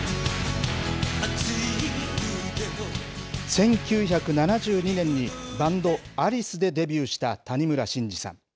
１９７２年にバンド、アリスでデビューした谷村新司さん。